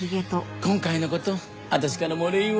今回の事私からもお礼言うわ。